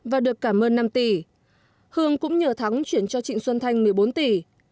và được cảm ơn năm tỷ hương cũng nhờ thắng chuyển cho trịnh xuân thanh một mươi bốn tỷ